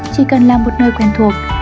chỉ cần là một nơi quen thuộc